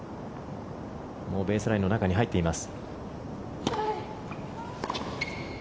ベースラインの中に入っています。